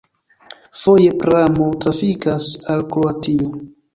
Foje pramo trafikas al Kroatio.